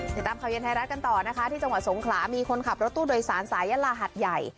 ติดตามข่าวเย็นไทยรัฐกันต่อนะคะที่จังหวัดสงขลามีคนขับรถตู้โดยสารสายลาหัดใหญ่